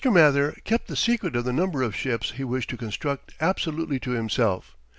Mather kept the secret of the number of ships he wished to construct absolutely to himself.